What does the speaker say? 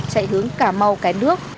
chạy hướng cà mau cái nước